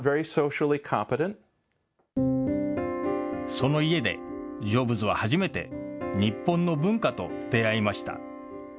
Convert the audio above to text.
その家でジョブズは初めて、日本の文化と出会いました。